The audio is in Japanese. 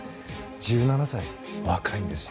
１７歳、若いんですよ。